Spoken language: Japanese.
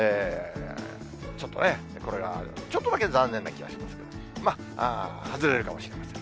ちょっとね、これが、ちょっとだけ残念な気もしますけれども、外れるかもしれません。